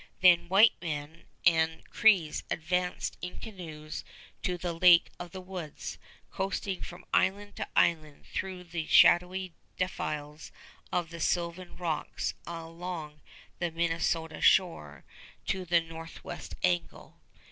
Then white men and Crees advanced in canoes to the Lake of the Woods, coasting from island to island through the shadowy defiles of the sylvan rocks along the Minnesota shore to the northwest angle.